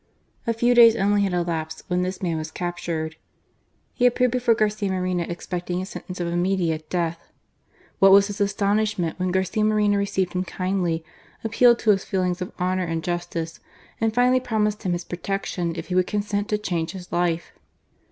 A few days only had elapsed when this man was captured. He appeared before Garcia Moreno expecting a sentence of immediate death. What was his astonishment when Garcia Moreno received him kindly, appealed to his feelings of honour and 93* ' GAKiA MOREHO. ju^icei and finally promised Um his prbte&tlim if he would consmt to change his life.